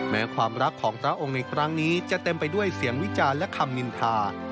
แม้ความรักของพระองค์ในครั้งนี้จะเต็มไปด้วยเสียงวิจารณ์และคำนินทา